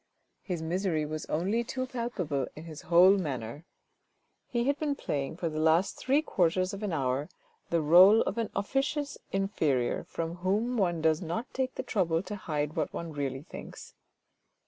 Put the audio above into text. His misery was only too palpable in his whole manner. He had been playing, for the last three quarters of an hour, the role of an officious inferior from whom one does not take the trouble to hide what one really thinks.